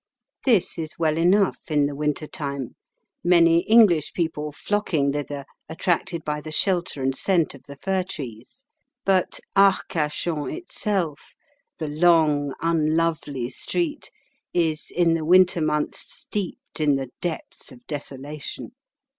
This is well enough in the winter time, many English people flocking thither attracted by the shelter and scent of the fir trees; but Arcachon itself the long unlovely street is in the winter months steeped in the depths of desolation.